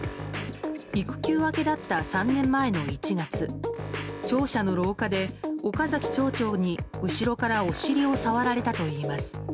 育休明けだった３年前の１月庁舎の廊下で、岡崎町長に後ろからお尻を触られたといいます。